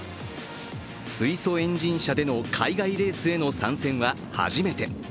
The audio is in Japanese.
水素エンジン車での海外レースへの参戦は初めて。